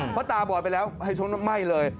เพราะตาบอดไปแล้วไฮชงน้ำไหม้เลย